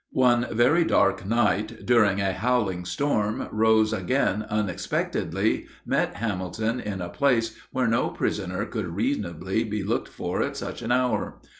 One very dark night, during a howling storm, Rose again, unexpectedly met Hamilton in a place where no prisoner could reasonably be looked for at such an hour.